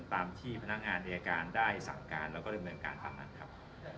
ตามที่พนักงานอายการได้สั่งการแล้วก็ดำเนินการตามนั้นครับ